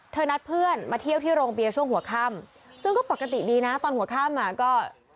นัดเพื่อนมาเที่ยวที่โรงเบียร์ช่วงหัวค่ำซึ่งก็ปกติดีนะตอนหัวข้ามอ่ะก็